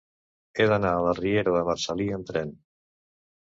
He d'anar a la riera de Marcel·lí amb tren.